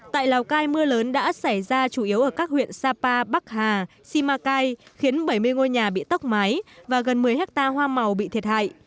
tại lào cai mưa lớn đã xảy ra chủ yếu ở các huyện sapa bắc hà simacai khiến bảy mươi ngôi nhà bị tốc mái và gần một mươi hectare hoa màu bị thiệt hại